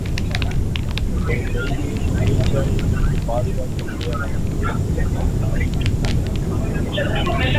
ஒரு கைதியைச் சிறைச்சாலையில் வைத்துப் பாதுகாக்க முடியாத அரசாங்கம் எதற்கும் லாயக்கில்லாத அரசாங்கம் ஆகும்.